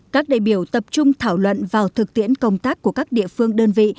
các đại biểu tập trung thảo luận vào thực tiễn công tác của các địa phương đơn vị